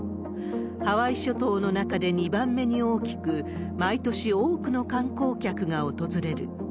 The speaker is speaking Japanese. ハワイ諸島の中で２番目に大きく、毎年多くの観光客が訪れる。